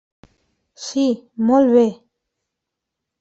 Sí, molt bé.